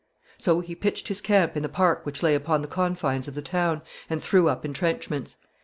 So he pitched his camp in the park which lay upon the confines of the town, and threw up intrenchments.